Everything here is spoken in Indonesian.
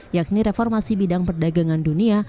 yakni reformasi bidang perdagangan dunia